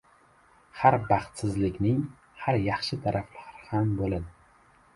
• Har baxtsizlikning yaxshi tarafi ham bo‘ladi.